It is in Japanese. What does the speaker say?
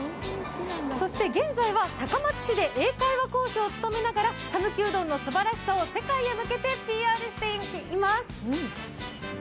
そして現在は、高松市で英会話講師を務めながら讃岐うどんのすばらしさを世界に向けてＰＲしています。